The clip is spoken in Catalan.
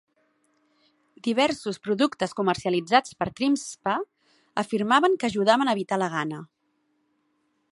Diversos productes comercialitzats per TrimSpa afirmaven que ajudaven a "evitar la gana".